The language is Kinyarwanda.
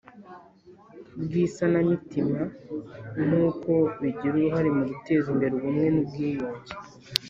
bw isanamitima n uko bigira uruhare mu guteza imbere ubumwe n ubwiyunge